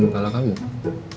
gak bisa ngetahuan